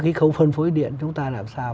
cái khấu phân phối điện chúng ta làm sao